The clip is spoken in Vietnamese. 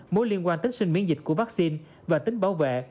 mối liên quan tính sinh miễn dịch của vaccine và tính bảo vệ